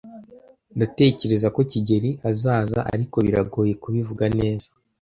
Ndatekereza ko kigeli azaza, ariko biragoye kubivuga neza.